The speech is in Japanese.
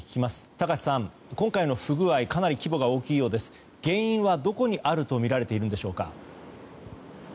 高瀬さん、今回の不具合はかなり規模が大きいようですが原因はどこにあるとみられているんでしょうか。